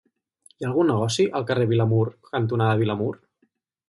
Hi ha algun negoci al carrer Vilamur cantonada Vilamur?